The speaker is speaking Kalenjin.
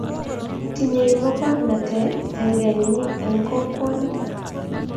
Tinyei mokornotee senge nyii eng kokwonik.